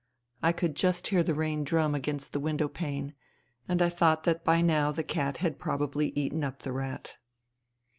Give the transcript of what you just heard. I could just hear the rain drum against the window pane ; and I thought that by now the cat had probably eaten up the rat.